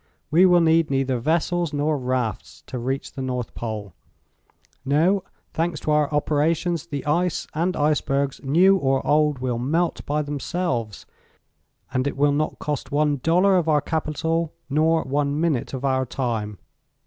We will need neither vessels nor rafts to reach the North Pole; no, thanks to our operations, the ice and icebergs, new or old, will melt by themselves, and it will not cost one dollar of our capital nor one minute of our time."